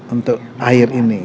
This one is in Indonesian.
untuk air ini